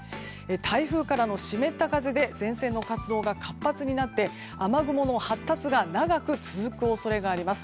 台風からの湿った風で前線の活動が活発になって、雨雲の発達が長く続く恐れがあります。